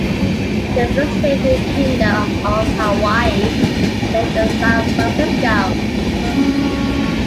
They first lived in the Kingdom of Hawaii and then in San Francisco.